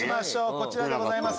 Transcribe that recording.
こちらでございます。